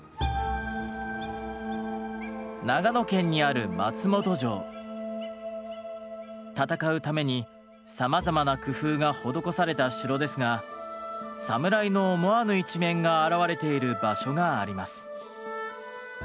長野県にある戦うためにさまざまな工夫が施された城ですがサムライの思わぬ一面が表れている場所があります。